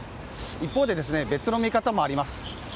一方で、別の見方もあります。